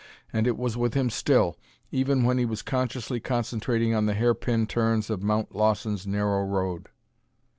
And it was with him still, even when he was consciously concentrating on the hairpin turns of Mount Lawson's narrow road.